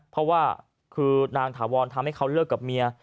เพราะว่าคือนางถาวรทำให้เขาเลิกกับเมีย